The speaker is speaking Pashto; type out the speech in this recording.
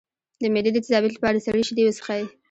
د معدې د تیزابیت لپاره سړې شیدې وڅښئ